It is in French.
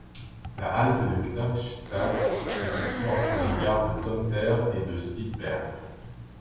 La halte de Knapstad se situe entre les gares de Tomter et de Spydeberg.